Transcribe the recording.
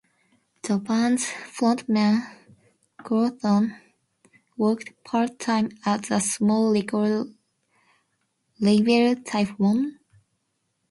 The band's frontman, Quorthon, worked part-time at the small record label Tyfon.